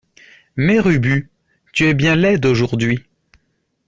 Mère Ubu, tu es bien laide aujourd’hui.